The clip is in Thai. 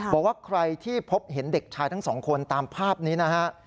บอกว่าใครที่พบเห็นเด็กชายทั้งสองคนตามภาพนี้นะฮะ